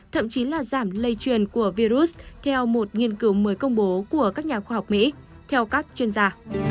thậm chí là giảm lây truyền của virus theo một nghiên cứu mới công bố của các nhà khoa học mỹ theo các chuyên gia